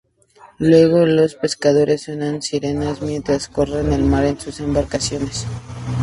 Luego los pescadores suenan sirenas mientras recorren el mar en sus embarcaciones.